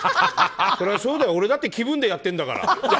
そりゃそうだよ、俺だって気分でやっているんだから。